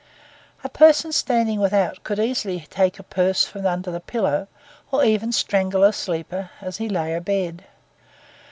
A person standing without could easily take a purse from under the pillow, or even strangle a sleeper as he lay abed.